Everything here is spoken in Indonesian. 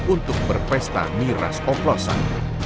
untuk berpesta miras oplosan